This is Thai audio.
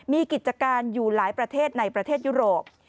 มีกิจการอยู่หลายประเทศในประเทศยุโรป